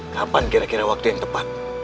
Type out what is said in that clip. kapan kira kira waktu yang tepat